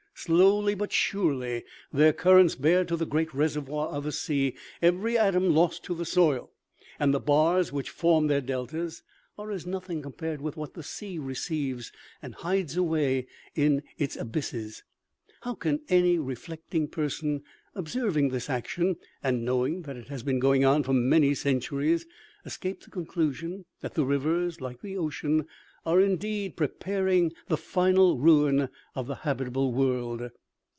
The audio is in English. Slowly but OMEGA. i# \ THE SKA AT WORK. 8o OMEGA . STREAM EROSION. OMEGA. 8r surely their currents bear to the great reservoir of the sea every atom lost to the soil, and the bars which form their deltas are as nothing compared with what the sea receives and hides away in its abysses. How can any reflecting person, observing this action, and knowing that it has been going on for many centuries, escape the conclusion that the rivers, like the ocean, are indeed preparing the final ruin of the habitable world